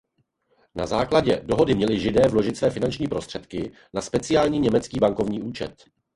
Na základě dohody měli Židé vložit své finanční prostředky na speciální německý bankovní účet.